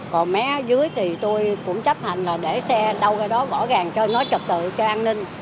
còn mé dưới thì tôi cũng chấp hành là để xe đâu cái đó bỏ gàng cho nó trật tự cho an ninh